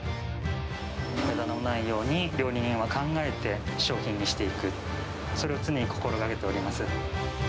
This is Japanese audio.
むだの内容に料理人は考えて、商品にしていく、それを常に心がけております。